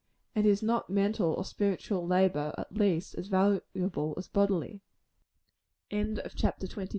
And is not mental or spiritual labor at least as valuable as bodily? CHAPTER XXIII.